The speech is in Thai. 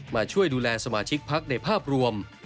มาช่วยดูแลสมาชิกพักในภาพรวม